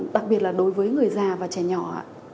đặc biệt là đối với người già và trẻ nhỏ